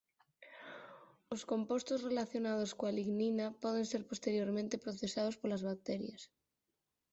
Os compostos relacionados coa lignina poden ser posteriormente procesados polas bacterias.